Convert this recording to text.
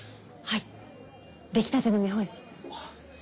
はいできたての見本誌。